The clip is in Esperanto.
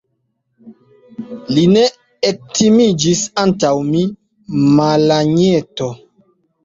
Li ne ektimiĝis antaŭ mi, Malanjeto.